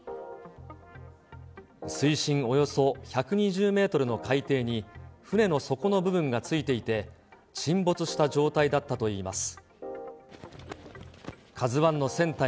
水深およそ１２０メートルの海底に、船の底の部分がついていて、沈没した状態だったといいます。